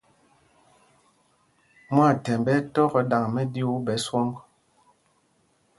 Mwâthɛmb ɛ́ ɛ́ tɔ kɛ ɗaŋ mɛɗyuu ɓɛ swɔŋ.